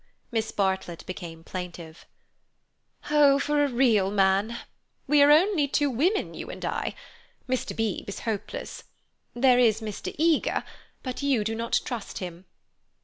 Miss Bartlett became plaintive. "Oh, for a real man! We are only two women, you and I. Mr. Beebe is hopeless. There is Mr. Eager, but you do not trust him.